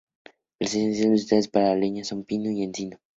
Las especies utilizadas para leña son pino y encino.